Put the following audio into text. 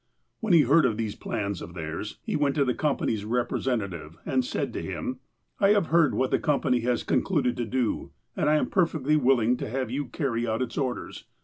When he heard of these plans of theirs, he went to the Company's representative, and said to him : "I have heard what the Company has concluded to do, and I am perfectly willing to have you carry out its orders.